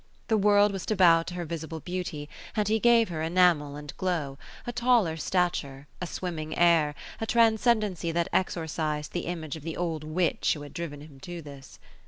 The world was to bow to her visible beauty, and he gave her enamel and glow, a taller stature, a swimming air, a transcendency that exorcized the image of the old witch who had driven him to this.